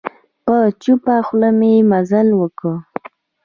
په چوپه خوله مي مزل وکړ .